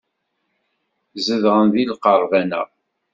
Zedɣen deg lqerban-a.